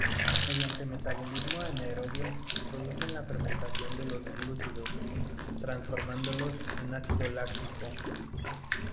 Mediante metabolismo anaerobio producen la fermentación de los glúcidos, transformándolos en ácido láctico.